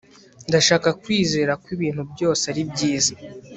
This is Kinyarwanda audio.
ndashaka kwizera ko ibintu byose ari byiza